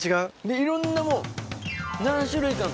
いろんなもう。